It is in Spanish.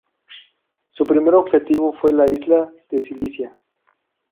Su primer objetivo fue la isla de Sicilia.